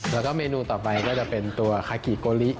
แล้วก็เมนูต่อไปก็จะเป็นตัวคากิโกลิ